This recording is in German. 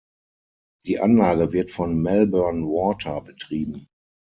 Die Anlage wird von Melbourne Water betrieben.